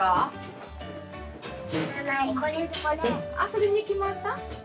それに決まった？